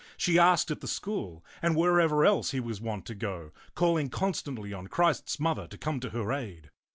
She asked at the school and wherever else he was wont to go, calling constantly on Christ's Mother to come to her aid.